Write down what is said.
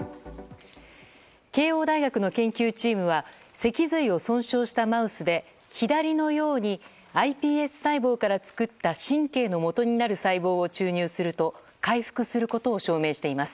慶應大学の研究チームは脊髄を損傷したマウスで左のようにｉＰＳ細胞から作った神経のもとになる細胞を注入すると回復することを証明しています。